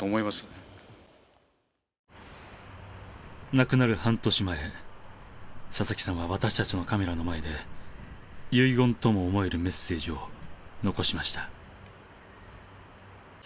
亡くなる半年前佐々木さんは私たちのカメラの前で遺言とも思えるメッセージを残しました。